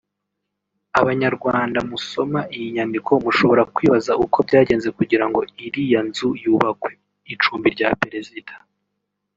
Abanyarwanda musoma iyi nyandiko mushobora kwibaza uko byagenze kugira ngo iriya nzu yubakwe(icumbi rya perezida)